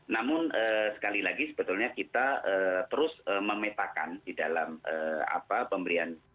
namun sekali lagi sebetulnya kita terus memetakan di dalam pemberian